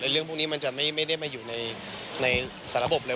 เรื่องพวกนี้มันจะไม่ได้มาอยู่ในสารบเลย